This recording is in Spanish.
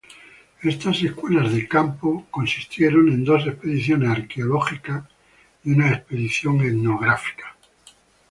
Estas escuelas de campo consistieron en dos expediciones arqueológicas y una expedición etnográfica.